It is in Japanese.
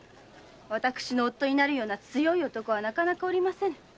私の夫にふさわしい強い男はなかなかおりませぬ。